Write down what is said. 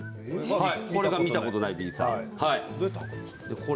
これが見たことないビーサン。